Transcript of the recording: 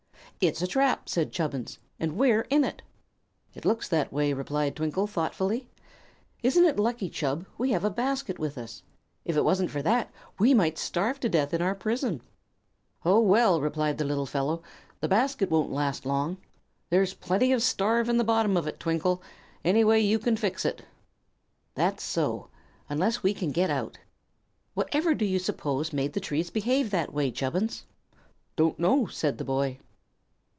"It's a trap," said Chubbins; "and we're in it." "It looks that way," replied Twinkle, thoughtfully. "Isn't it lucky, Chub, we have the basket with us? If it wasn't for that, we might starve to death in our prison." "Oh, well," replied the little fellow, "the basket won't last long. There's plenty of starve in the bottom of it, Twinkle, any way you can fix it." "That's so; unless we can get out. Whatever do you suppose made the trees behave that way, Chubbins? "Don't know," said the boy.